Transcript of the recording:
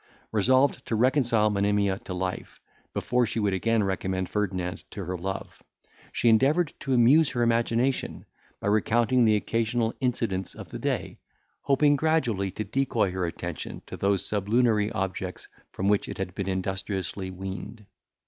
Resolved to reconcile Monimia to life, before she would again recommend Ferdinand to her love, she endeavoured to amuse her imagination, by recounting the occasional incidents of the day, hoping gradually to decoy her attention to those sublunary objects from which it had been industriously weaned.